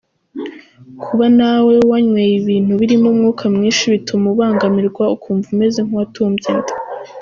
Kuba nawe wanyweye ibintu birimo umwuka mwinshi bituma ubangamirwa ukumva umeze nk’uwatumbye inda.